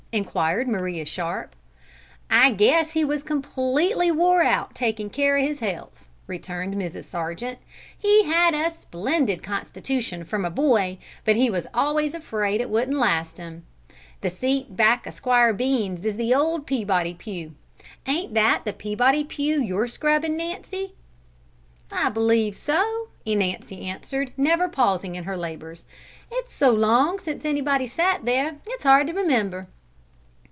inquired Maria Sharp. "I guess he was completely wore out takin' care of his health," returned Mrs. Sargent. "He had a splendid constitution from a boy, but he was always afraid it wouldn't last him. The seat back o' 'Squire Bean's is the old Peabody pew ain't that the Peabody pew you're scrubbin', Nancy?" "I believe so," Nancy answered, never pausing in her labours. "It's so long since anybody sat there, it's hard to remember."